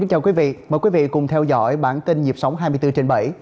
xin chào quý vị mời quý vị cùng theo dõi bản tin nhịp sống hai mươi bốn trên bảy